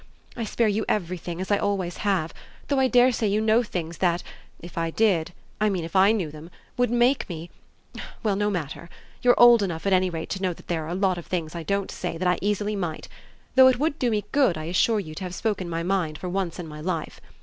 I spare you everything, as I always have; though I dare say you know things that, if I did (I mean if I knew them) would make me well, no matter! You're old enough at any rate to know there are a lot of things I don't say that I easily might; though it would do me good, I assure you, to have spoken my mind for once in my life.